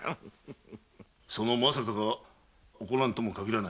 その「まさか」が起こらぬとも限らないのだ。